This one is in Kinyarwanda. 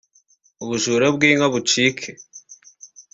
ubujura bw’inka bucike